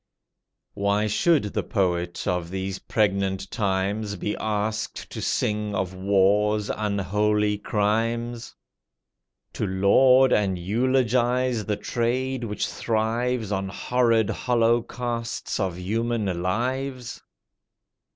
Why should the poet of these pregnant times Be asked to sing of war's unholy crimes? To laud and eulogize the trade which thrives On horrid holocausts of human lives?